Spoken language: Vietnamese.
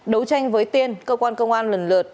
đấu tranh với tiên cơ quan công an lần lượt